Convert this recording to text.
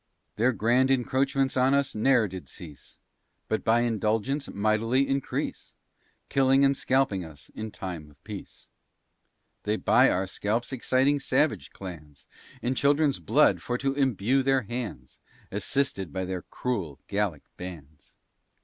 Their grand encroachments on us ne'er did cease. But by indulgence mightily increase, Killing and scalping us in times of peace. They buy our scalps exciting savage clans, In children's blood for to imbue their hands, Assisted by their cruel Gallic bands.